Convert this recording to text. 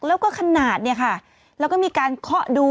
แล้วก็ขนาดเนี่ยค่ะแล้วก็มีการเคาะดู